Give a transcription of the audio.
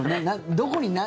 どこに何？